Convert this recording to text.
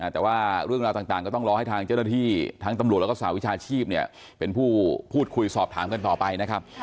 แต่ว่าเรื่องราวต่างก็ต้องรอให้ทางเจ้าหน้าที่ทั้งตำรวจแล้วก็สหวิชาชีพเป็นผู้พูดคุยสอบถามกันต่อไปนะครับ